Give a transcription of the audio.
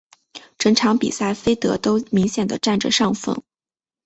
整场比赛菲德都明显的占着上风。